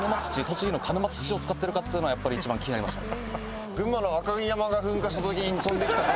栃木の鹿沼土を使ってるかっつうのはやっぱり一番気になりましたね。